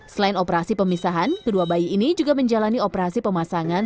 selain operasi pemisahan kedua bayi ini juga menjalani operasi pemasangan